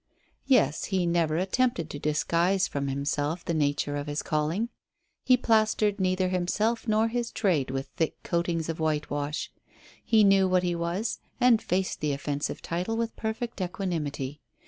Yes, he never attempted to disguise from himself the nature of his calling. He plastered neither himself nor his trade with thick coatings of whitewash. He knew what he was, and faced the offensive title with perfect equanimity.